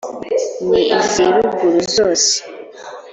ni iz’ iruguru zose,